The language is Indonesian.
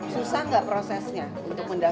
susah nggak prosesnya untuk mendapatkan